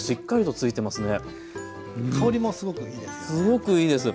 香りもすごくいいですよね。